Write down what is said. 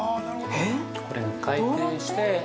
◆これが回転して。